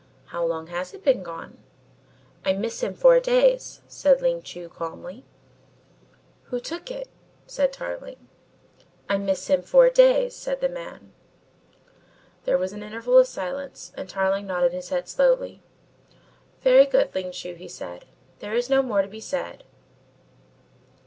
"How long has it been gone?" "I miss him four days," said Ling Chu calmly; "Who took it?" demanded Tarling. "I miss him four days," said the man. There was an interval of silence, and Tarling nodded his head slowly. "Very good, Ling Chu," he said, "there is no more to be said."